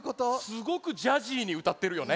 すごくジャジーにうたってるよね。